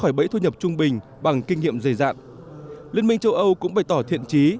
khỏi bẫy thu nhập trung bình bằng kinh nghiệm dày dạn liên minh châu âu cũng bày tỏ thiện chí